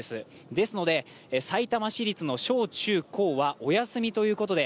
ですのでさいたま市立の小中高はお休みということで